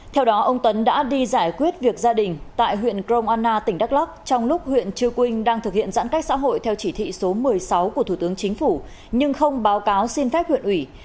theo đó ông tấn đã đi giải quyết việc gia đình tại huyện krong anna tỉnh đắk lắc trong lúc huyện chư quynh đang thực hiện giãn cách xã hội theo chỉ thị số một mươi sáu của thủ tướng chính phủ nhưng không báo cáo xin phép huyện ủy